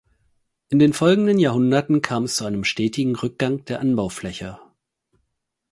In den folgenden Jahrhunderten kam es zu einem stetigen Rückgang der Anbaufläche.